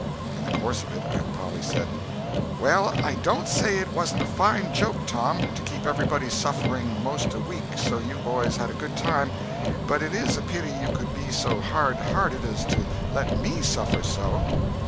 In the course of it Aunt Polly said: "Well, I don't say it wasn't a fine joke, Tom, to keep everybody suffering 'most a week so you boys had a good time, but it is a pity you could be so hard hearted as to let me suffer so.